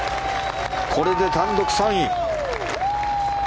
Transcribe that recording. これで単独３位。